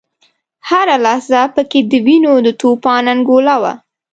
هره لحظه په کې د وینو د توپان انګولا وه.